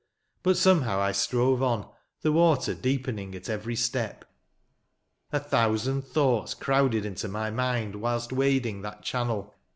But some how I strove on, the water deepening at every step. A thousand thoughts crowded into my mind whilst wading that channel.